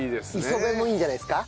磯部もいいんじゃないですか？